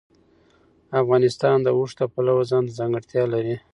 افغانستان د اوښ د پلوه ځانته ځانګړتیا لري.